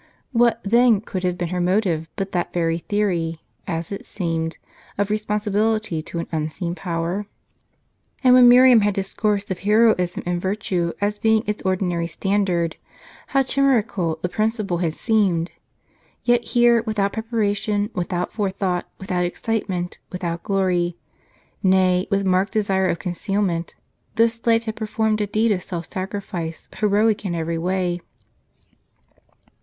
What, then, could have been her motive but that very theory, as it seemed, of responsibility to an unseen power ? And when Miriam had discoursed of heroism in virtue as being its ordinary standard, how chimerical the principle had seemed ! Yet here, without preparation, without forethought, without excitement, without glory, — nay, with marked desire of concealment, this slave had performed a deed of self sacri fice, heroic in every way.